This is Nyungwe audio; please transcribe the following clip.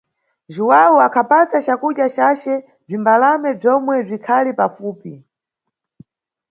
Juwawu akhapasa cakudya cace bzimbalame bzomwe bzikhali pafupi.